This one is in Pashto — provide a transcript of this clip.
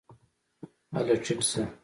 هله ټیټ شه !